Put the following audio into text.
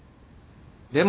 でも。